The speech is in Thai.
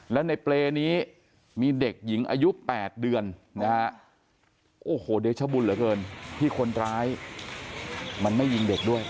แล้วในเปรย์นี้มีเด็กหญิงอายุ๘เดือนนะฮะโอ้โหเดชบุญเหลือเกินที่คนร้ายมันไม่ยิงเด็กด้วย